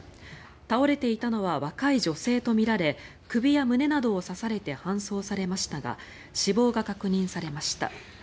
倒れていたのは若い女性とみられ首や胸などを刺されて搬送されましたが死亡が確認されました。